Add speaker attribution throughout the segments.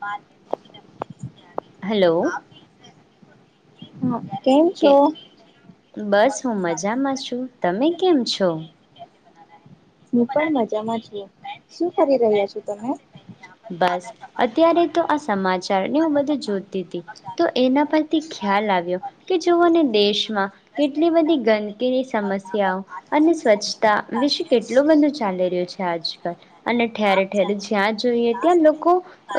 Speaker 1: બાલ
Speaker 2: હલો.
Speaker 1: હ.
Speaker 2: કે બસ હું મજામાં છું. તમે કેમ છો?
Speaker 1: હું પણ મજામાં છું. શું કરી રહ્યા છું તમે?
Speaker 2: બસ અત્યારે તો આ સમાચારને હું બધું જોતી હતી તો એના પરથી ખ્યાલ આવ્યો કે જોઓને દેશમાં કેટલી બધી ગંદકીની સમસ્યાઓ અને સ્વચ્છતા વિશે કે એટલું બધું ચાલી રહ્યું છે આજકાલ અને ઠેરે ઠેરે જ્યાં જોઈએ ત્યાં લોકો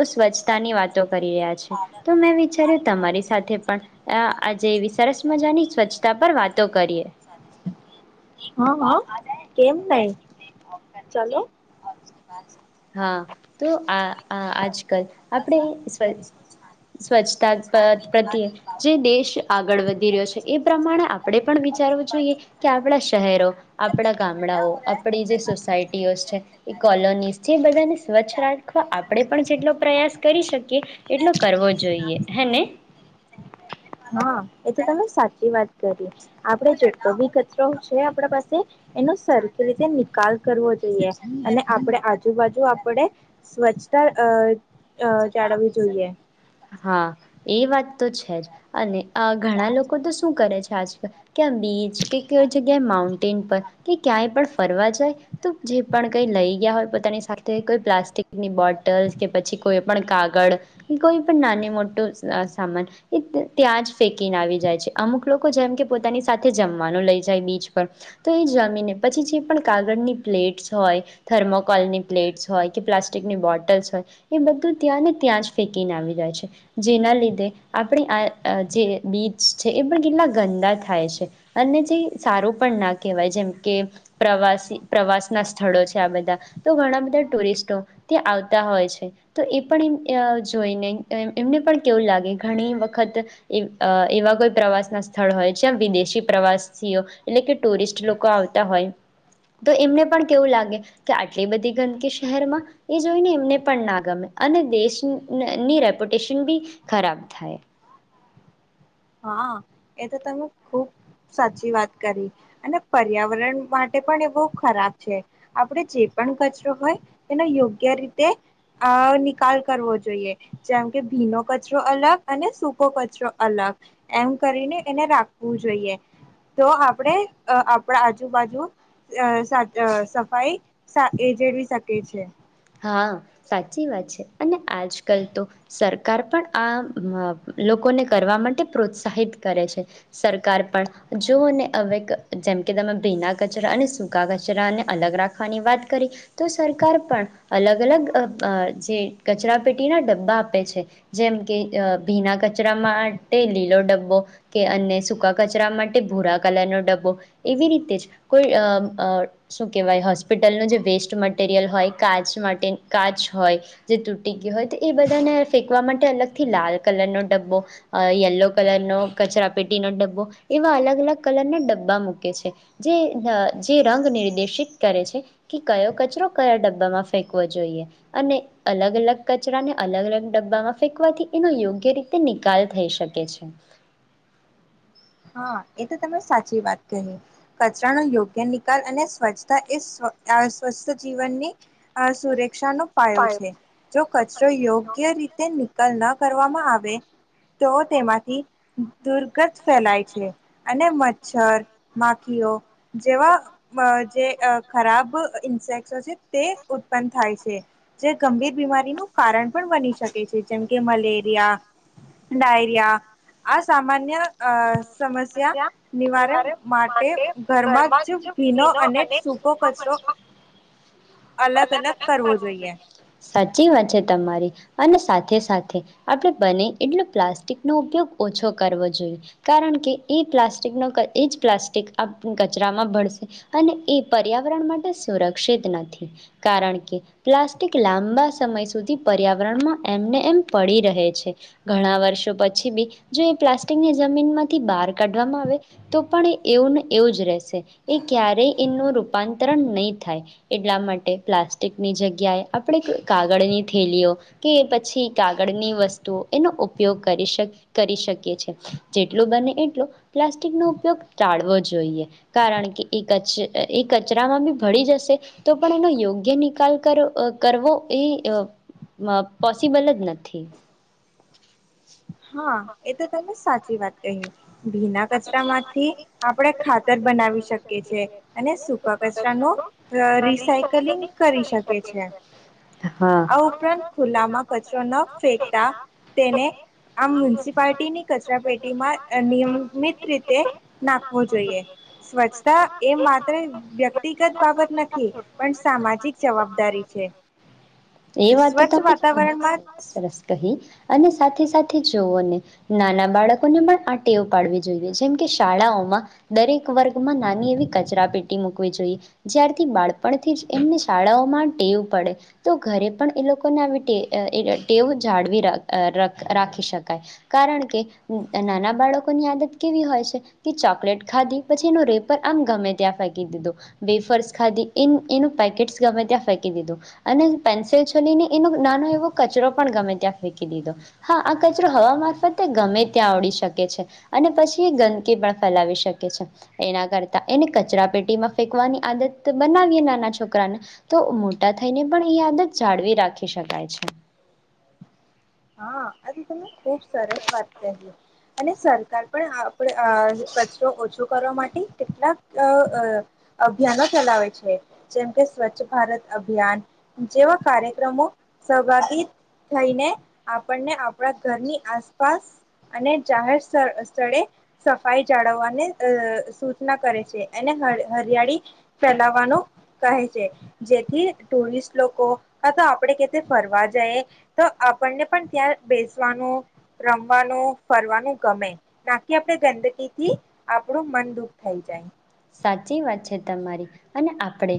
Speaker 2: સ્વચ્છતાની વાતો કરી રહ્યા છે તો મેં વિચાર્યું તમારી સાથે પણ અ આજે એવી સરસ મજાની સ્વચ્છતા પર વાતો કરીએ.
Speaker 1: હા હા કેમ નાઈ ચાલો
Speaker 2: હા તો આ આ આજકાલ આપણે સ્વ સ્વચ્છતા પ્ર પ્રત્યે જે દેશ આગળ વધી રહ્યો છે એ પ્રમાણે આપણે પણ વિચારવું જોઈએ કે આપણા શહેરો આપણા ગામડાઓ આપણી જે સોસાયટીઓ છે, એ કોલોનીઝ જે બધાને સ્વચ્છ રાખવા આપ આપણે પણ જેટલો પ્રયાસ કરી શકીએ એટલો કરવો જોઈએ હેને.
Speaker 1: હા એ તો તમે સાચી વાત કરી આપણે જેટલો બી કચરો છે આપણા પાસે એનો સરખી રીતે નિકાલ કરવો જોઈએ અને આપણે આજુબાજુ આપણે સ્વચ્છતા અ અ જાળવી જોઈએ.
Speaker 2: હા એ વાત તો છે જ અને અહ ઘણા લોકો તો શું કરે છ છાછ ક્યાં બીચ કે કોઈ જગ્યાએ માઉન્ટેન પર કે ક્યાંય પણ ફરવા જાય તો જે પણ કઈ લઈ ગયા હોય પોતાની સાથે કોઈ પ્લાસ્ટિકની બોટલ્સ કે પછી કોઈ પણ કાગળ કોઈ પણ નાની મોટું સ-સામાન એ ત્યાં જ ફેંકીને આવી જાય છે. અમુક લોકો જેમ કે પોતાની સાથે જમવાનું લઈ જાય બીચ પર તો એ જમીને પછી જે પણ કાગળની પ્લેટ્સ હોય થર્મોકોલની પ્લેટ્સ હોય કે પ્લાસ્ટિકની બોટલ્સ હોય એ બધું ત્યાંને ત્યાં જ ફેંકીને આવી જાય છે. જેના લીધે આપણી આહ આહ જે બીચ છે એ પણ કેટલા ગંદા થાય છે. અને જે સારું પણ ના કહેવાય જેમ કે પ્રવાસી પ્રવાસનાં સ્થળો છે આ બધા તો ઘણા બધા ટુરિસ્ટો ત્યાં આવતા હોય છે તો એ પણ એમ અજ જોઈને એમ-એમને પણ કેવું લાગે ઘણી વખત એવ આહ એવા કોઈ પ્રવાસના સ્થળ હોય છે વિદેશી પ્રવાસીઓ એટલે કે ટુરિસ્ટ લોકો આવતા હોય તો એમને પણ કેવું લાગે કે આટલી બધી ગંદકી શહેરમાં એ જોઈને એમને પણ ના ગમે અને દેશ ની ને ની રેપ્યુટેશન બી ખરાબ થાય.
Speaker 1: હા એ તો તમે ખુબ સાચી વાત કરી. અને પર્યાવરણ માટે પણ એ બહુ ખરાબ છે. આપડે જે પણ કચરો હોય એનો યોગ્ય રીતે અહ નિકાલ કરવો જોઈએ. જેમ કે ભીનો કચરો અલગ અને સૂકો કચરો અલગ. એમ કરીને એને રાખવું જોઈએ તો આપણે અહ આપણા આજુબાજુ અહ સ અહ સફાઈ એ જેળવી શકી છે.
Speaker 2: હા સાચી વાત છે અને આજકાલ તો સરકાર પણ આહ હા લોકોને કરવા માટે પ્રોત્સાહિત કરે છે. સરકાર પણ જોને હવે જેમકે તમે ભીના કચરા અને સૂકા કચરાને અલગ રાખવાની વાત કરી તો સરકાર પણ અલગ અલગ અબ જે કચરા પેટીના ડબ્બા આપે છે જેમ કે અહ ભીના કચરા માટે લીલો ડબ્બો કે અને સૂકા કચરા માટે ભૂરા કલરનો ડબ્બો એવી રીતે જ કોઈ અમ્મ અહ શું કહેવાય હોસ્પિટલનો જે વેસ્ટ મટીરિયલ હોય કાચ માટે કાચ હોય જે તૂટી ગય હોય તો એ બધાને ફેંકવા માટે અલગ થી લાલ કલરનો ડબ્બો યલો કલરનો કચરા પેટીનો ડબ્બો એવા અલગ અલગ કલરના ડબ્બા મૂકે છે જે અહ જે રંગ નિર્દેશિત કરે છે કે કયો કચરો કયા ડબ્બામાં ફેંકવો જોઈએ. અને અલગ અલગ કચરાને અલગ અલગ ડબ્બામાં ફેંકવાથી એનો યોગ્ય રીતે નિકાલ થઈ શકે છે.
Speaker 1: હા એ તો તમે સાચી વાત કહી કચરાનો યોગ્ય નિકાલ અને સ્વચ્છતા એ આહ સ્વસ્થ જીવનની અહ સુરે નુકશાનો પાયો છે જો કચરો યોગ્ય રીતે નિકલ ન કરવામાં આવે તો તેમાંથી દુર્ગત ફેલાય છે. અને મચ્છર માખીઓ જેવા મ જે અહ ખરાબ ઇન્સેક્સો છે તે ઉત્પન્ન થાય છે. જે ગંભીર બીમારીનું કારણ પણ બની શકે છે જેમ કે મલેરિયા, ડાયરિયા આ સામાન્ય અહ સમસ્યા નિવારણ માટે ઘરમાં જ ભીનો અને સૂકો કચરો અલગ અલગ કરવો જોઈએ
Speaker 2: સાચી વાત છે. તમારી અને સાથે સાથે આપણે બને એટલો પ્લાસ્ટિક નો ઉપયોગ ઓછો કરવો જોઈ. કારણ કે એ પ્લાસ્ટિકનો એ જ પ્લાસ્ટિક કચરામાં ભળશે અને એ પર્યાવરણ માટે સુરક્ષિત નથી. કારણ કે પ્લાસ્ટિક લાંબા સમય સુધી પર્યાવરણમાં એમને એમ પડી રહે છે. ઘણા વર્ષો પછી બી જો એ પ્લાસ્ટિકની જમીન માંથી બહાર કાઢવામાં આવે તો પણ એવુંને એવું જ રહેશે એ ક્યારેય એનું રૂપાંતરણ નહી થાય એટલા માટે પ્લાસ્ટિકની જગ્યાએ આપણે ક કાગળની થેલીઓ કે પછી કાગળની વસ્તુઓ એનો ઉપયોગ કરી શ કરી શકીએ છે. જેટલું બને એટલું પ્લાસ્ટિકનો ઉપયોગ ટાળવો જોઈએ. કારણ કે એ કચ એ કચરામાં બી ભળી જશે તો પણ એનો યોગ્ય નિકાલ કર કરવો એ અ ન પોસિબલ જ નથી.
Speaker 1: હા, એ તો તમને સાચી વાત એમ ભીના કચરામાંથી આપણે ખાતર બનાવી શકીએ છે અને સૂકા કચરા નો અ રિસાયકલિંગ કરી શકીએ છે.
Speaker 2: હા
Speaker 1: આ ઉપરાંત ખુલ્લામાં કચરો ન ફેકતા તેને આમ મ્યુનિસિપાલટી ની કચરા પેટી માં અને રીતે નાખવો જોઈએ સ્વચ્છતા એ માત્ર વ્યક્તિગત બાબત નથી પણ સામાજિક જવાબદારી છે.
Speaker 2: એ વાત
Speaker 1: સ્વચ્છ
Speaker 2: તો તમે
Speaker 1: વાતાવરણમાં
Speaker 2: [inaudible] સરસ કહી. અને સાથે સાથે જોઓને નાના બાળકોને પણ આ ટેવ પાડવી જોઈએ. જેમકે શાળાઓમાં દરેક વર્ગમાં નાની એવી કચરા પેટી મૂકવી જોઈએ. જ્યારથી બાળપણથી જ એમને શાળાઓમાં ટેવ પડે તો ઘરે પણ એ લોકોને આવીટે ટેવ જાળવી રાઅર રાખી શકાય કારણ કે નાના બાળકોની આદત કેવી હોય છે કે ચોકલેટ ખાધી પછી એનો રેપર આમ ગમે ત્યાં ફેંકી દીધું, વેફર્સ ખાધી એમ એનું પેકેટસ ગમે ત્યાં ફેંકી દીધું અને પેન્સિલ છોલીને એનો નાનો એવો કચરો પણ ગમે ત્યાં ફેકી દીધો હા આ કચરો હવા મારફતે ગમે ત્યાં આવડી શકે છે અને પછી ગંદકી પણ ફેલાવી શકે છે. એના કરતા એને કચરા પેટીમાં ફેંકવાની આદત બનાવીએ નાના છોકરાને તો મોટા થઈને પણ એ આદત જાળવી રાખી શકાય છે.
Speaker 1: આજ તમે ખૂબ સરસ વાત કહી. અને સરકાર પણ આપણે અ કચરો ઓછો કરવા માટે કેટલાક અ અ અભિયાનો ચલાવે છે જેમકે સ્વચ્છ ભારત અભિયાન જેવા કાર્યક્રમો સહભાગી થઈને આપણને આપ આપણા ઘરની આસપાસ અને જાહેર સ્થળે સફાઈ જાળવવાને અ સૂચના કરે છે અને હરિયાળી ફેલાવાનું કહે છે જેથી ટુરિસ્ટ લોકો ક તો આપણે ક ફરવા જઈ તો આપણને પણ ત્યાં બેસવાનું રમવાનું ફરવાનું ગમે નાકી આપણે ગંદકીથી આપણું મન દુઃખ થઈ જાય.
Speaker 2: સાચી વાત છે તમારી અને આપણે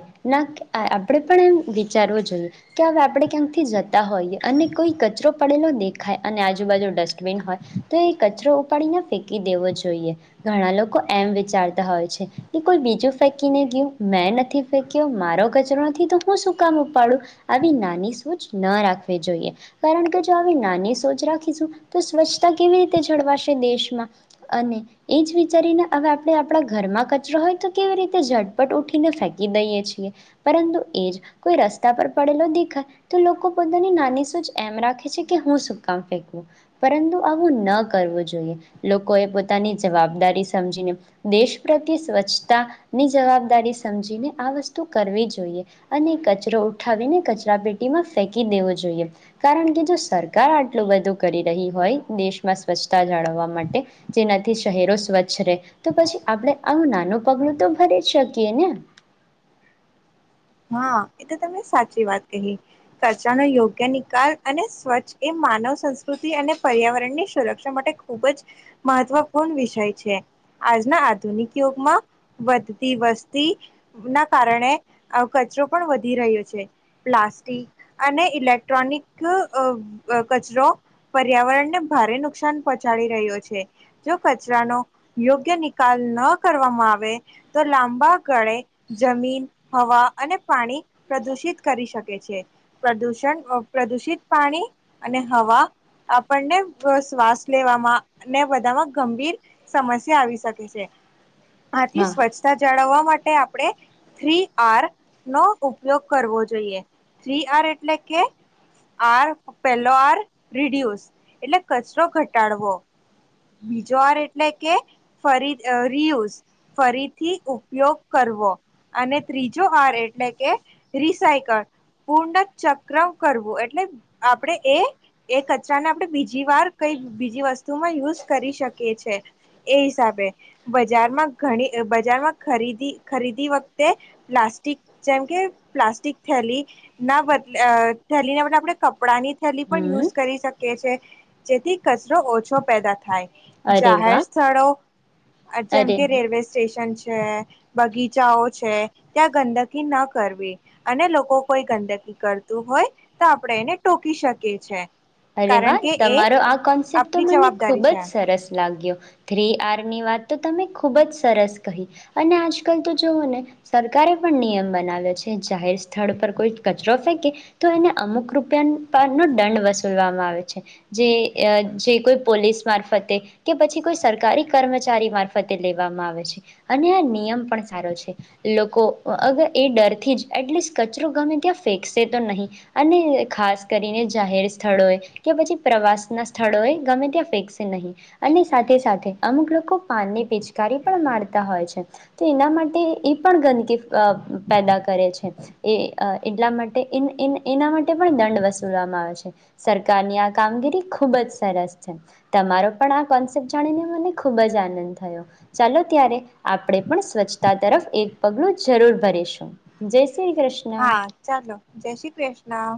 Speaker 2: આપણે પણ એમ વિચારવો જોઈએ કે હવે આપણે ક્યાંકથી જ હોઈએ અને કોઈ કચરો પડેલો દેખાય અને આજુબાજુ ડસ્ટબિન હોય તો એ કચરો ઉપાડીને ફેંકી દેવો જોઈએ ઘણા લોકો એમ વિચારતા હોય છે. એ કોઈ બીજું ફેંકીને ગયું મેં નથી ફેંક્યો મારો કચરો નથી તો હું શું કામ ઉપાડું આવી નાની સોચ ન રાખવી જોઈએ કારણ કે જો આવી નાની સોચ રાખીશું તો સ્વચ્છતા કેવી રીતે જળવાશે દેશમાં અને એ જ વિચારીને હવે આપણે આપણા ઘરમાં કચરો હોય તો કેવી રીતે ઝટપટ ઉઠીને ફેંકી દઈએ છીએ પરંતુ એ જ કોઈ રસ્તા પર પડેલો દેખાય તો લોકો પોતાની નાની સૂચ એમ રાખે છે કે હું સુકામ ફેંકવું પરંતુ આવું ન કરવું જોઈએ લોકોએ પોતાની જવાબદારી સમજીને દેશ પ્ર સ્વચ્છતા ની જવાબદારી સમજીને આ વસ્તુ કરવી જોઈએ અને કચરો ઉઠાવીને કચરા પેટીમાં ફેંકી દેવો જોઈએ કારણ કે જો સરકાર આટલું બધું કરી રહી હોય દેશમાં સ્વચ્છતા જાળવવા માટે જેનાથી શહેરો સ્વચ્છ રહે તો પછી આપણે આવું નાનું પગલું તો ભરી જ શકીએ ને
Speaker 1: હા એ તો તમે સાચી વાત કહી કચાનોો યોગ્ય નિકાલ અને સ્વચ્છ એ માનવ સંસ્કૃતિ અને પર્યાવરણની સુરક્ષા માટે ખૂબ જ મહત્વપૂર્ણ વિષય છે આજના આધુનિક યુગમાં વધતી વસ્તી ના કારણે કચરો પણ વધી રહ્યો છે પ્લાસ્ટિક અને ઇલેક્ટ્રોનિક કચરો પર્યાવરણને ભારે નુકસાન પહોંચાડી રહ્યો છે જો કચરાનો યોગ્ય નિકાલ ન કરવામાં આવે તો લાંબા ગાળે જમીન હવા અને પાણી પ્રદુષિત કરી શકે છે પ્રદુષણ પ્રદુષિત પાણી અને હવા આપણને શ્વાસ લેવામાં ને બધામાં ગંભીર સમસ્યા આવી શકે છે. આથી
Speaker 2: હા
Speaker 1: સ્વચ્છતા જાળવા માટે આપણે થ્રી આર નો ઉપયોગ કરવો જોઈએ થ્રી આર એટલે કે આર પહેલો આર રીડ્યુસ એટલે કચરો ઘટાડવો બીજો આર એટલે કે ફરી રિયુઝ ફરીથી ઉપયોગ કરવો અને ત્રીજો આર એટલે કે રિસાયકલ પૂર્ણ ચક્ર કરવું એટલે આપણે એ એ કચરાને આપણે બીજી વાર કઈ બીજી વસ્તુમાં ઉપયોગ કરી શકીએ છે એ હિસાબે બજારમાં ઘણી બજારમાં ખરીદી ખરીદી વખતે પ્લાસ્ટિક જેમ કે પ્લાસ્ટિક થેલી ના બદલે થેલીના બદલે આપણે કપડાંની થેલી પણ
Speaker 2: હમ
Speaker 1: યુઝ કરી શકે. કે છે જેથી કચરો ઓછો પેદા થાય.
Speaker 2: અરે
Speaker 1: જાહેર
Speaker 2: વાહ
Speaker 1: સ્થળો જેમ
Speaker 2: અરે
Speaker 1: કે
Speaker 2: વાહ
Speaker 1: રેલવે સ્ટેશન છે. છે, બગીચાઓ છે. ત્યાં ગંદકી ના કરવી અને લોકો કોઈ ગંદકી કરતું હોય, તો આપણે એને ટોકી શકીએ છે.
Speaker 2: અરે વા
Speaker 1: કારણ કે એ
Speaker 2: તમારો આ કોન્સેપ્ટ તો
Speaker 1: આપણી
Speaker 2: મને ખુબ
Speaker 1: જવાબદારી છે
Speaker 2: જ સરસ લાગ્યો થ્રી આર ની વાત તો તમે ખૂબ જ સરસ કહી, અને આજકાલ તો જુવઓ ને સરકારે પણ નિયમ બનાવ્યો છે જ જાહેર સ્થળ પર કોઈ કચરો ફેક કે તો એને અમુક રૂપિયા નો [unintelligible] દંડ વસ ભરવામાં આવે છે, જે એ કોઈ પોલીસ મારફતે કે પછી કોઈ સરકારી કર્મચારી મારફતે લેવામાં આવે છે, અને આ નિયમ પણ સારો છે, લોકો અગર એ ડરથી જ એટલીસ્ટ કચરો ગમે ત્યાં ફેંકશે તો નહીં અને ખાસ કરીને જાહેર સ્થળો એ કે પછી પ્રવાસના સ્થળોએ ગમે ત્યાં ફેંકશે નહીં અને સાથે સાથે અમુક લોકો પાન ની પિચકારી પણ મારતા હોય છે, તો એના માટે એ પણ ગંદકી આ પેદા કરે છે, એ આ એટલા માટે એન એન એના માટે પણ દંડ વસૂલવામાં આવે છે. સરકારની આ કામગીરી ખૂબ જ સરસ છે તમારો પણ આ કોન્સેપ્ટ જાણીને મને ખૂબ જ આનંદ થયો, ચાલો ત્યારે આપણે પણ સ્વચ્છતા તરફ એક પગલું જરૂર ભરીશું. જે
Speaker 1: હા ચાલો જય શ્રી કૃષ્ણ.